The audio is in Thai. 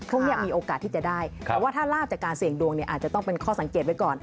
มีโอกาสที่จะได้แต่ว่าถ้าลาบจากการเสี่ยงดวงเนี่ยอาจจะต้องเป็นข้อสังเกตไว้ก่อน